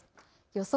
予想